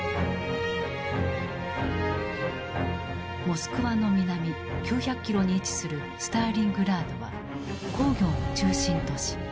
モスクワの南９００キロに位置するスターリングラードは工業の中心都市。